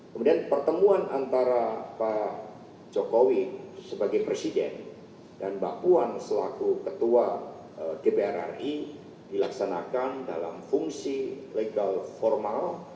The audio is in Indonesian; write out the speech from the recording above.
kemudian pertemuan antara pak jokowi sebagai presiden dan mbak puan selaku ketua dpr ri dilaksanakan dalam fungsi legal formal